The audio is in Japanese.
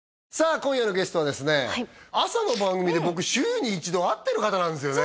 今夜のゲストは朝の番組で僕週に一度会ってる方なんですよね